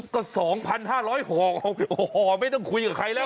ก็๒๕๐๐ห่อโอ้โหไม่ต้องคุยกับใครแล้ว